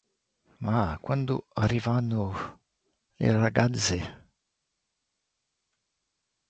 Ma quando arrivano le ragazze?